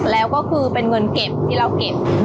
แล้วก็คือเป็นเงินเก็บที่เราเก็บ